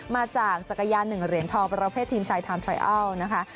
มาจากจักรยาน๑เหรียญทองประเภททีมชายไทม์ไทรอัลนะคะ